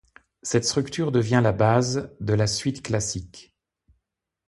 Cette structure devient la base de la suite classique.